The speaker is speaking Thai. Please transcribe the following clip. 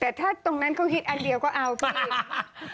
แต่ถ้าตรงนั้นเขาฮิตอันเดียวก็เอาที่อื่น